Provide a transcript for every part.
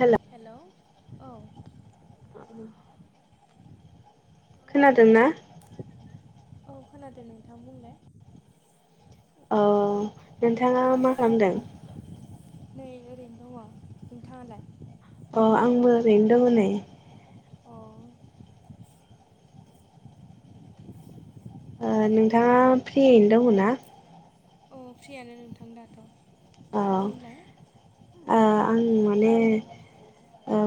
हेल hello औ खोनादों ना औ खोनादों नोंथां बुंलाय औ नोंथाङा मा खालामदों नै ओरैनो दङ नोंथाङालाय अ आंबो ओरैनो दङ नै अ नोंथाङा फ्रियैनो दङ ना अ फ्रियानो नोंथां दाथ' औ बुंलाय आं माने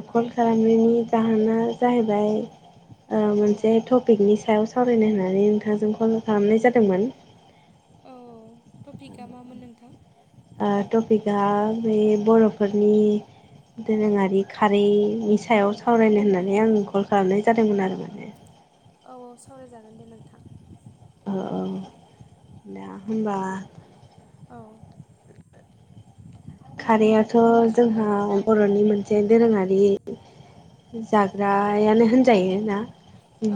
कल खालामनायनि जाहोना जाहैबाय ओ औ मोनसे टपिकनि सायाव सावरायनो होननानै नोंथांजों कल खालामनाय जादोंमोन औ टपिकआ मामोन नोंथां टपिकआ बे बर'फोरनि दोरोङारि खारैनि सायाव सावरायनो होननानै आं कल खालामनाय जादोंमोन आरो माने औ-औ सावरायजागोन दे नोंथां औ-औ दा होमबा औ खारैआथ' जोंहा बर'नि मोनसे दोरोङारि जाग्रायानो होनजायो ना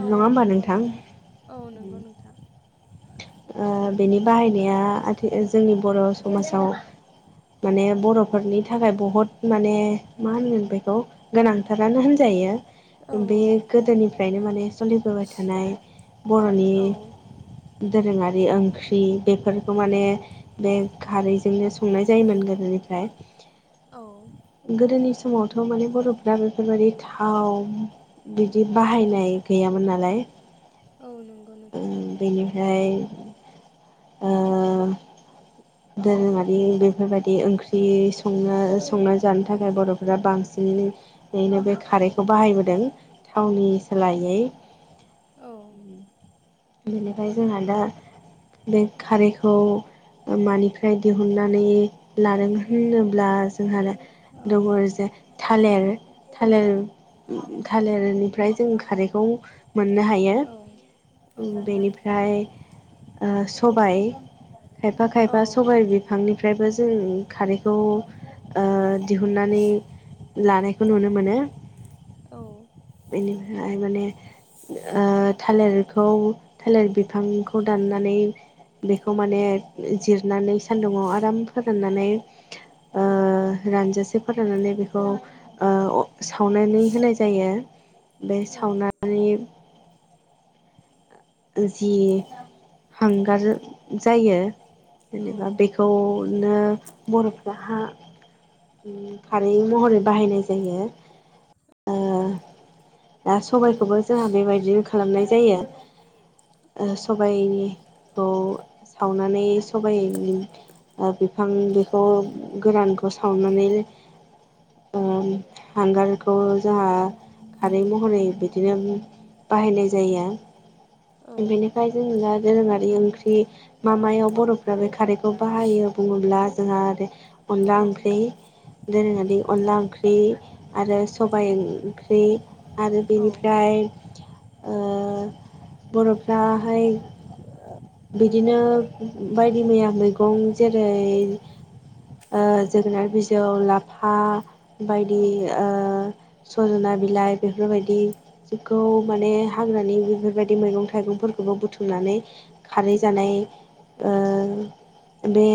औ औ होमबा नंगौ नोंथां औ [inaudible] बेनि औ बाहायनाया आथिखाल जोंनि बर' समाजाव माने बर'फोरनि थाखाय बहुद माने मा होनगोन बेखौ गोनांथारानो औ होनजायो बे गोदोनिफ्रायनो माने सोलिबोबाय थानाय बर'नि औ दोरोङारि ओंख्रि बेफोरखौ माने बे खारैजोंनो संनाय जायोमोन गोदोनिफ्राय औ गोदोनि समावथ' माने बर'फ्रा बेफोरबायदि थाव बिदि बाहायनाय गैयामोन नालाय औ नंगौ ओ नोंथां बेनिफ्राय दोरोङारि बेफोरबायदि ओंख्रि संना संना जानो थाखाय बर'फोरा बांसिन बे औ खारैखौ बाहायबोदों थावनि सोलायै औ बेनिफ्राय जोंहा दा बे खारैखौ मानिफ्राय दिहुननानै लादों होनोब्ला जोंहा औ दङ जे थालिर थालिर थालिरनिफ्राय जों खारैखौ मोननो हायो ओ बेनिफ्राय सबाय खायफा खायफा औ सबाय बि बिफांनिफ्रायबो जों खारैखौ दिहुननानै लानायखौ नुनो मोनो औ बेनिफ्राय माने ओ थालेरखौ थालेर बिफांखौ दाननानै बेखौ माने जिरनानै सान्दुङाव आराम फोराननानै ओ रानजासे फोराननानै बेखौ सावनानै होनाय जायो बे औ सावनानै जि हांगार जायो औ जेनेबा बेखौ बिदिनो बर'फ्रा हा खारै महरै बाहायनाय जायो ओ दा सबायाइखौबो जोंहा बेबायदिनो खालामनाय जायो औ ओ सबायनिखौ सावनानै सबायनि ओ बिफां बेखौ गोरानखौ सावनानै ओ हांगारखौ जोंहा खारै महरै बिदिनो बाहायनाय जायो बेनिफ्राय जों दा दोरोङारि ओंख्रि मा मायाव बर'फ्रा बे खारैखौ बाहायो बुङोब्ला जोंहा आरो अनला ओंख्रि दोरोङारि अनला ओंख्रि आरो सबाय ओंख्रि आरो औ बेनिफ्राय ओ बर'फ्राहाय ओ बिदिनो बायदि मैया मैगं जेरै जोगोनार बिजौ लाफा बायदि औ सजना बिलाइ बेफोरबायदि जेखौ माने हाग्रानि बेफोरबायदि मैगं थाइगंफोरखौबो बुथुमनानै खारै जानाय ओ बे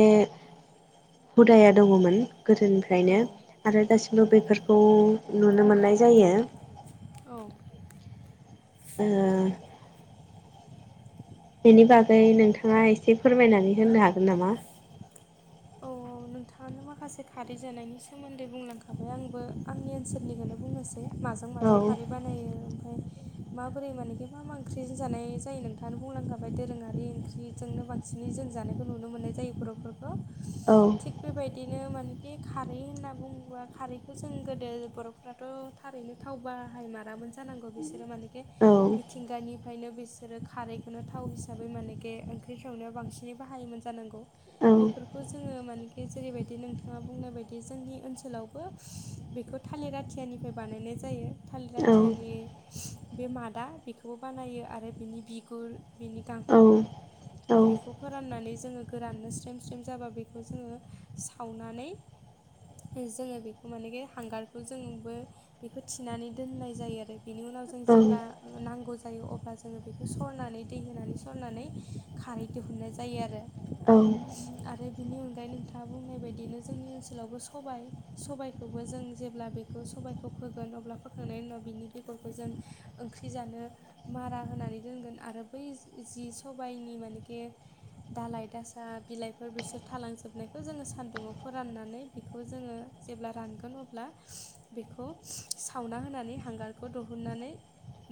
हुदाया दङमोन गोदोनिफ्रायनो आरो दासिमबो बेफोरखौ नुनो मोननाय जायो औ ओ बेनि बागै नोंथाङा एसे फोरमायनानै होननो हागोन नामा औ नोंथाङानो माखासे खारै जानायनि सोमोन्दै बुंलांखाबाय आंबो आंनि ओनसोलनिखोनो बुंनोसै माजों औ माजों खारै बानायो [unintelligible] ओमफ्राय माबोरै मानेखि मा मा ओंख्रिजों जानाय जायो नोंथाङा बुंलांखाबाय दोरोङारि ओंख्रिजोंनो बांसिनै जों जानायखौ नुनो मोननाय जायो बर'फोरखौ औ थिग बेबायदिनो मानेखि खारै होनना बुङोब्ला खारैखौ जों गोदो बर'फ्रा थ' थारैनो थाव बाहायमारामोन जानांगौ बिसोरो मानोखे औ मिथिंगानि ओंखायनो बिसोरो खारैखौनो थाव हिसाबै मानेखे ओंख्रि संनायाव बांसिनै बाहायोमोन जानांगौ औ बेफोरखौ जोङो माने मानोखि जेरैबायदि नोंथाङा बुंनाय बायदि जोंनि ओनसोलावबो बेखौ थालिर आथियानिफ्राय बानायनाय जायो थालिर औ आथियानि बे मादा बेखौबो बानायो आरो बिनि बिगुर बिनि औ गांखङा बेखौ फोराननानै जोङो गोराननो स्रेम स्रेम जाबा बेखौ जोङो सावनानै जोङो बेखौ मानेखि हांगारखौ जोंबो बेखौ थिनानै दोननाय जायो आरो बिनि उनाव जों जेब्ला ओ नांगौ जायो अब्ला जोङो बेखौ सरनानै दै होनानै सरनानै खारै दिहुननाय जायो आरो औ आरो बिनि उन नोंथाङा बुंनाय बायदिनो जोंनि ओनसोलावबो सबाय सबायाइखौबो जों जेब्ला बे बेखौ सबायखौ फोगोन अब्ला फोखांनायनि उनाव बिनि बेगरखौ जों ओंख्रि जानो मारा होनानै दोनगोन आरो बै जि सबायनि मानेखे दालाय दासा, बिलाइफोर बिसोर थालांजोब नायखौ जोङो सान्दुुंआव फोराननानै बेखौ जोङो जेब्ला रानगोन अब्ला बेखौ सावना होनानै हांगारखौ दहुननानै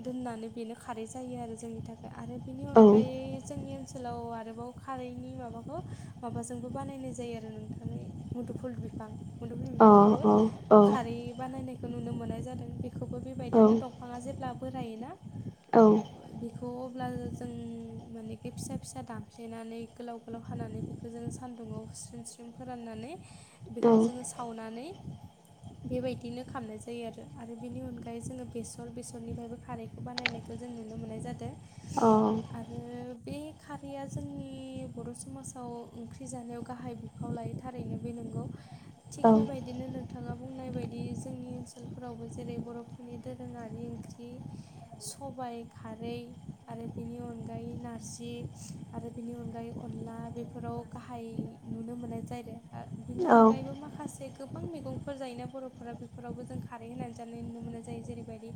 दोननानै बेनो खारै जायो आरो जोंनि थाखाय आरो बेनि अनगायै जोंनि ओन ओनसोलाव आरोबाव खारैनि माबाखौ माबाजोंबो बानायनाय जायो आरो नोंथां मुदुफुल बिफां मुदुफुल बिफांखौबो खारै बानायनाय खौ नुनो मोननाय जादों बेखौबो औ बेबायदिनो दंफाङा जेब्ला बोरायोना औ बेखौ अब्ला जों मानेखे फिसा फिसा दामफ्लेनानै गोलाव गोलाव हानानै बे जों सान्दुंआव स्रेम स्रेम फोरनानै बेखौ जोङो सा सावनानै बेबायदिनो खामनाय जायो आरो। आरो बेनि अनगायै जोङो बेसर बेसरनिफ्रायबो खारै बानायनायखौ जों नुनो मोननाय जादो। आरो बे खारैया जोंनि बर' समाजाव ओंख्रि जानायाव गाहाय बिफाव लायो थारैनो बे नंगौ। थिग बेबायदि दिनो नोंथाङा बुंनाय बायदि जोंनि ओनसोलफोरावबो जेरै बर'फोरनि दोरोङारि ओंख्रि सबाय खारै आरो बेनि अनगायै नारजि आरो बेनि अनगायै अनला बेफोराव गाहाय नुनो मोननाय जादों आ बिनि अनगायैबो माखासे गोबां मैगंफोर जायोना बर'फोरा बेफोरावबो जों खारै होनानै जानाय नुनो मोननाय जायो जेरैबायदि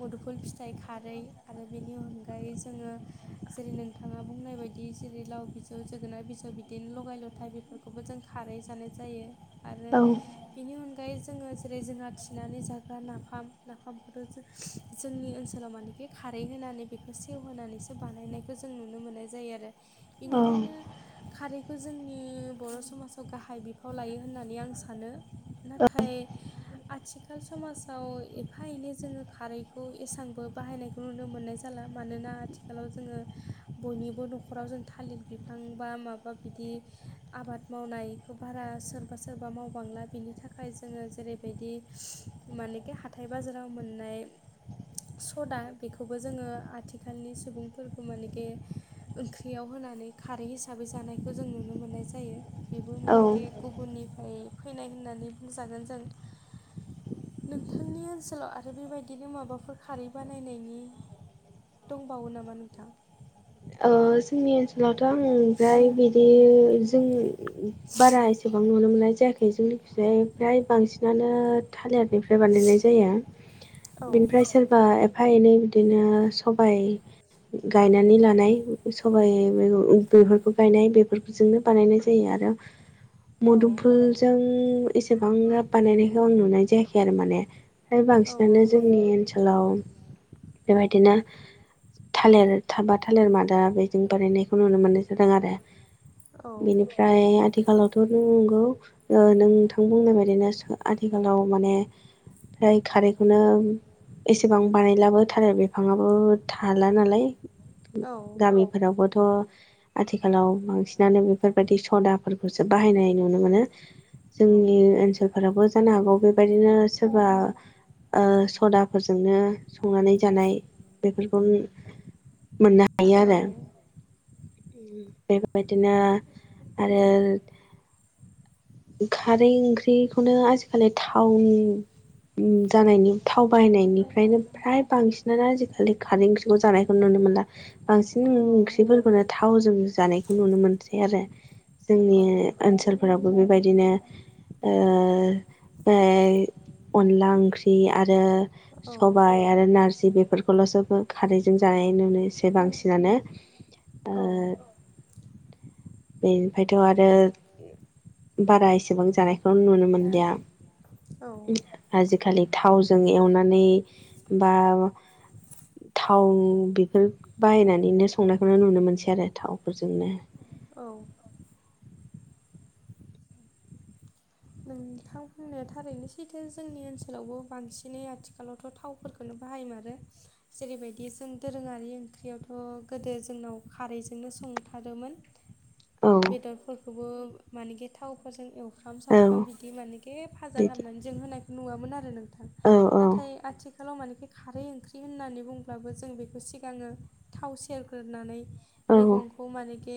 मुदुफुल फिथाइ खारै आरो बेनि अनगायै जोङो जेरै नों थाङा बुंनाय बायदि जेरै लाव बिजौ जोगोनार बिजौ बिदिनो ल'गाय ल' नाथाय बेफोरखौबो जों खारै जानाय जायो आरो बिनि अनगायै जोङो जेरै जोंहा थिनानै जाग्रा नाफाम नाफामफखौथ' जों जोंनि ओनसोलाव मानेखि खारै होनानै बेखौ सेवहोनानैसो बानायनायखौ जों नुनो मोननाय जायो आरो। बेनिखायनो खारैखौ जों आंनि बर' समाजाव गाहाय बिफाव लायो होननानै आं सानो। नाथाय आथिखाल समाजाव एफा एनै जोङो खारैखौ एसांबो बाहायनाय नुनो मोननाय जाला। मानोना आथिखालाव जोङो बयनिबो न'खराव जों थालिर बिफां बा माबा बा बिदि आबाद मावनायखौ बारा सोरबा सोरबा मावबांला बिनि थाखाय जोङो जेरै बायदि मानोखे हाथाय बाजाराव मोननाय सदा बेखौबो जोङो आथिखालनि सुबुंफोरखौ मानोखे ओंख्रियाव होनानै खारै हिसाबै जानायखौ जों नुनो मोननाय जायो। बेबो मानेखे गुबुननिफ्राय फैनाय होननानै बुंजागोन जों। नोंथांनि ओनसोलाव आरो बेबायदिनो माबाफोर खारै बानायनायनि दंबावो नामा नोंथां? ओ जोंनि ओनसोलावथ' ओङो द्राय बिदि जों बारा एसेबां नुनो मोननाय जायाखै जोंनिखिजाय ओमफ्राय बांसिनानो थालिर बि बानायनाय जायो। औ बिनिफ्राय सोर बा एफा एनै बिदिनो सबाय गायनानै लानाय सबाइ मेगं बेफोरखौ गायनाय बेफोरजोंनो बानायनाय जायो आरो। औ मोदुमफुलजों एसेबां बानायनायखौ आं नुनाय जायाखै आरो माने। फ्राय बांसिनानो औ जोंनि ओनसोलाव बेबायदिनो थालिर थाबा थालिर मादा दा बेजों बानायनायखौ नुनो मोननाय जादों आरो। औ नंगौ। औ बेनिफ्राय ओमफ्राय आथिखालावथ' नंगौ ओ नोंथां बुंनाय बायदिनो आथिखालाव माने ओमफ्राय खारैखौनो एसेबां बानायलाबोथार बिफांबो थाला नालाय गामिफोरावबोथ' आथिखालाव बांसिनानो बेफोरबायदि सदाफोरखौसो बाहायनाय नुनो मोनो। जोंनि ओनसोलफोराबो जानो हागौ बेबायदिनो सोरबा ओ सदाफोरजोंनो संनानै जानाय बेफोरखौ मोनना हायो आरो। बेबायदिनो आरो खारै ओंख्रिखौनो आजिखालि टाउन ओम जानायनि थाव बाहायनायनिफ्रायनो फ्राय बांसिनानो आजिखालि खारै ओंख्रि जानायखौ नुनो मोनला बांसिन ओंख्रिफोरखौनो थावजों जानायखौ नुनो मोनसै आरो जोंनि ओनसोलफोरावबो बेबायदिनो ओ ओ अनला ओंख्रि आरो सबायाइ आरो नारजि बेफोरखौल'सो खारैजों जानाय नुनो एसे बांसिनानो औ बेनिफ्रायथ' आरो बारा एसेबां जानायखौ नुनो मोनलिया औ आजिखालि थावजों एवनानै बा थाव बेफोर बाहायनानैनो संनायखौनो नुनो मोनसै आरो थावफोरजोंनो औ थां बुंनाय थारैनो सैथो जोंनि ओनसोलावबो बांसिनै आथिखालावथ' थावफोरखौनो बाहायमारो जेरैबायदि जों दोरोङारि ओंख्रियावथ' गोदो जोंनाव खारैजोंनो संथारोमोन औ बेदरफोरखौबो माने थावफोरजों एवफ्राम औ सावफ्राम बिदि माने फाजा बिदि खालामनानै जों होनायखौ नुवोन आरो नोंथां औ औ ना आथि खालाव मानेखि खारै ओंख्रि होननानै बुंब्लाबो जों बेखौ सिगाङो थाव सेरग्रोनानै औ मैगंखौ मानखे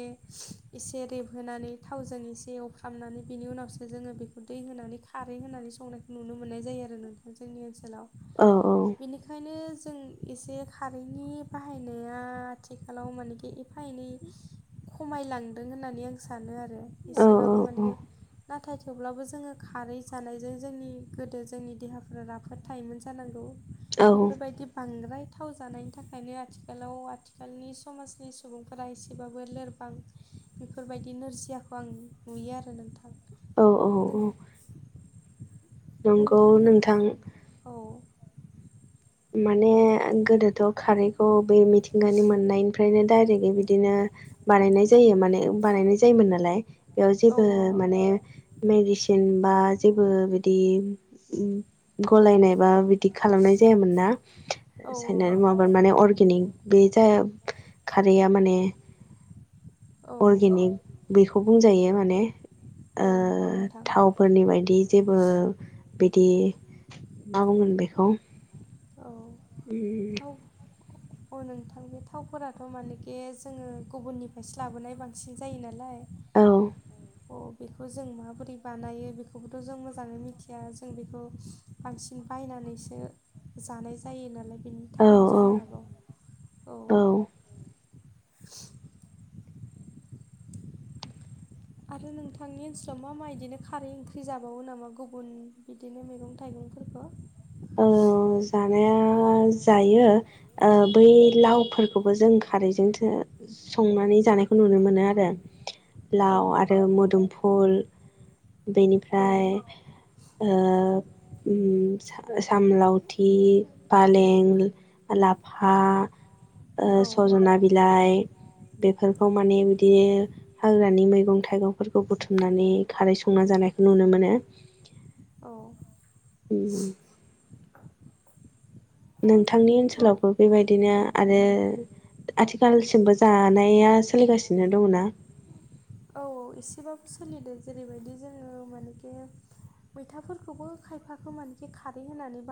एसे रेबहोनानै थावजों एसे एवफ्रामनानै बिनि उनावसो जोङो बेखौ दै होनानै खारै होनानै संनायखौ नुनो मोननाय जायो आरो नोंथां जोंनि ओनसोलाव औ औ बेनिखायनो जों एसे खारैनि बाहायनाया आथिखालाव मानेखि फायनै खमायलांदों होननानै आं सानो आरो औ एसेबाबो मानेखे नाथाय थेवब्लाबो जों जोङो खारै जानायजों जोंनि गोदो जोंनि देहाफ्रा राफोद थायोमोन जानांगौ औ बेफोरबायदि बांद्राय थाव जानायनि थाखायनो आथिखालाव आथिखालनि समाजनि सुबुंफोरा एसेबाबो लोरबां बेफोरबायदि नोरजियाखौ आं नुयो आरो नोंथां। औ औ नों औ नोंथां औ माने गोदोथ' खारैखौ बै मिथिंगानि मोननायनिफ्रायनो डायरेक्ट बिदिनो बानायनाय जायो माने बानायनाय जायोमोन नालाय बेयाव औ जेबो माने मेडिसिन बा जेबो बिदि गलायनाय बा बिदि खालामनाय जायामोन। औ साय माब माने अर्गेनिक बे जा खारैया माने औ अर्गेनिक बेखौ बुंजायो माने औ नंगौ नोंथां फोरनि बायदि जेबो बिदि मा बुंगोन बेखौ औ उ थाउ अ नोंथां बे थावफोराथ' मानेखे जोङो गुबुननिफ्रायसो लाबोनाय बांसिन जायो नालाय। औ अ बेखौ जों माबोरै बानायो बेखौबोथ' जों मोजाङै मिथिया जों बेखौ बांसिन बायनानैसो जानाय जायो नालाय बिनि औ थाखायनो जानो हागौ औ। औ आरो नोंथांनि ओनसोलाव मा मा बिदिनो खारै ओंख्रि जाबावो नामा गुबुन बिदिनो मैगं-थाइगंफोरखौ ओ जानाया जायो। ओ बै लावफोरखौबो जों खारैजोंसो संनानै जानायखौ नुनो मोनो आरो औ लाव आरो मोदोमफुल औ बेनिफ्राय ओ उम सामलावथि फालें लाफा ओ औ सजना बिलाइ बेफोरखौ माने बिदिनो हाग्रानि मैगं थाइगंफोरखौ बुथुमनानै खारै संना जानायखौ नुनो मोनो। औ। उम। नोंथांनि ओनसोलावबो बेबायदिनो आरो आथिखालसिमबो जानाया सोलिगासिनो दङ ना? औ औ एसेबाबो सोलिदो जेरैबायदि जोङो मानेखे मैथाफोरखौबो खायफाखौ मानखि खारै होनानै बा